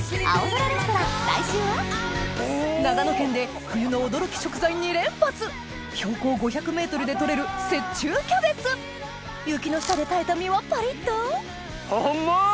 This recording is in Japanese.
長野県で冬の驚き食材２連発標高５００ｍで取れる雪中キャベツ雪の下で耐えた身はパリっと甘い！